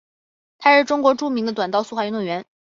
她是中国著名的短道速滑运动员。